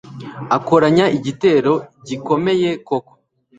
akoranya igitero gikomeye koko